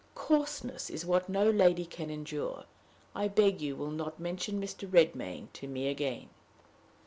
Coarseness is what no lady can endure. I beg you will not mention Mr. Redmain to me again."